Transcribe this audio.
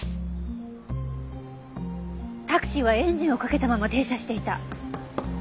タクシーはエンジンをかけたまま停車していた。